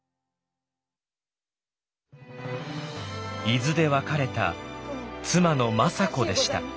伊豆で別れた妻の政子でした。